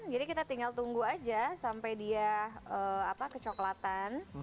jadi kita tinggal tunggu saja sampai dia kecoklatan